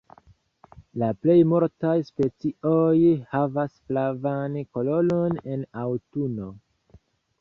La plej multaj specioj havas flavan koloron en aŭtuno.